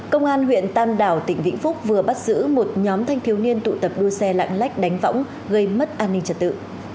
công an huyện tam đảo tỉnh vĩnh phúc vừa bắt giữ một nhóm thanh thiếu niên tụ tập đua xe lạng lách đánh võng gây mất an ninh trật tự